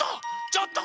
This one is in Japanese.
ちょっと！